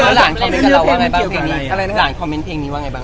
หลานคอมเม้นต์เพลงนี้ว่าไงบ้าง